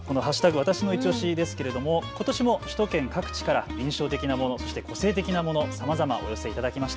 わたしのいちオシですけれども、ことしも首都圏各地から印象的なもの、そして個性的なもの、さまざまお寄せいただきました。